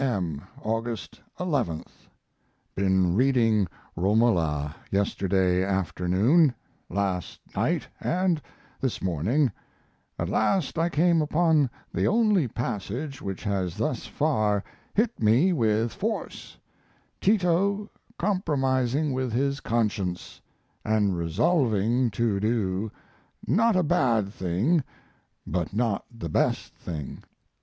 M., August 11th. Been reading Romola yesterday afternoon, last night, and this morning; at last I came upon the only passage which has thus far hit me with force Tito compromising with his conscience, and resolving to do; not a bad thing, but not the best thing.